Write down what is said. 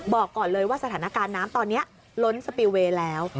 บอกก่อนเลยว่าสถานการณ์น้ำตอนนี้ล้นสปีลเวย์แล้ว